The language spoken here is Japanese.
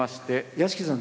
屋敷さん